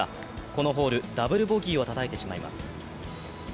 このホール、ダブルボギーをたたいてしまいます。